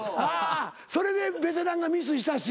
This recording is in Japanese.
それでベテランがミスしたし。